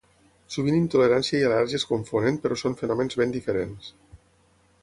Sovint intolerància i al·lèrgia es confonen però són fenòmens ben diferents.